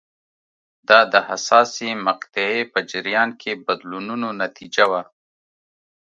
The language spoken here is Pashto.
دا د حساسې مقطعې په جریان کې بدلونونو نتیجه وه.